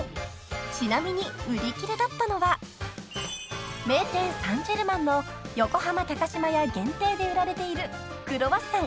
［ちなみに売り切れだったのは名店サンジェルマンの横浜島屋限定で売られているクロワッサン］